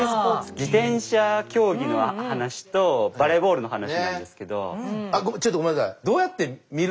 自転車競技の話とバレーボールの話なんですけど。